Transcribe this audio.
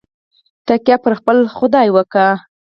تکیه پر خپل خدای وکړه.